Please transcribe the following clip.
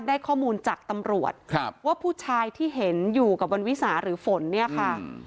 ได้ข้อมูลจากตำรวจครับว่าผู้ชายที่เห็นอยู่กับวันวิสาหรือฝนเนี่ยค่ะ